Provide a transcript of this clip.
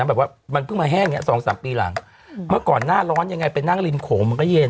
เมื่อก่อนหน้าร้อนยังไงไปนั่งลิมโขมมันก็เย็น